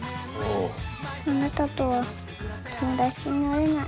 あなたとは友達になれない。